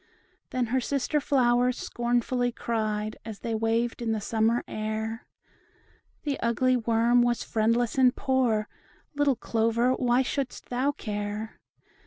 Then her sister flowers scornfully cried, As they waved in the summer air, "The ugly worm was friendless and poor; Little Clover, why shouldst thou care?